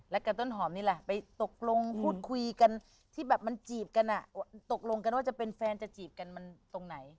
และกับต้นหอมนี่แหละไปตกลงพูดคุยกันที่แบบมันจีบกันอ่ะตกลงกันว่าจะเป็นแฟนจะจีบกันมันตรงไหน